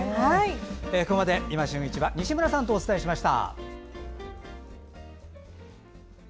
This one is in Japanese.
ここまで「いま旬市場」西村さんとお伝えしました。